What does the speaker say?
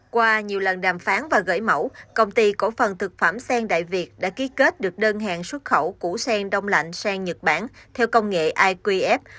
qua nhiều lần đàm phán và gửi mẫu công ty cổ phần thực phẩm sen đại việt đã ký kết được đơn hàng xuất khẩu củ sen đông lạnh sang nhật bản theo công nghệ iqf